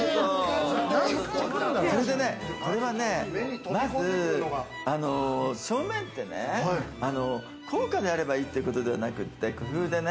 これはね、まず、正面ってね、豪華であればいいってことではなくて、工夫でね。